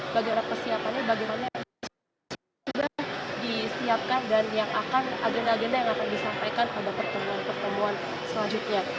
bagaimana persiapannya bagaimana sudah disiapkan dan yang akan agenda agenda yang akan disampaikan pada pertemuan pertemuan selanjutnya